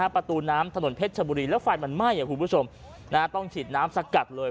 ประตูน้ำถนนเพชรชบุรีแล้วไฟมันไหม้คุณผู้ชมต้องฉีดน้ำสกัดเลย